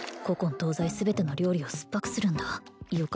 古今東西全ての料理を酸っぱくするんだよ